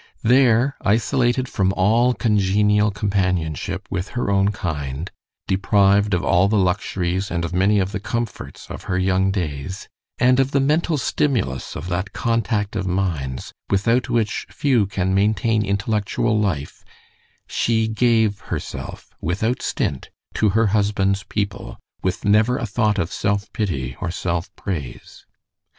There, isolated from all congenial companionship with her own kind, deprived of all the luxuries and of many of the comforts of her young days, and of the mental stimulus of that contact of minds without which few can maintain intellectual life, she gave herself without stint to her husband's people, with never a thought of self pity or self praise.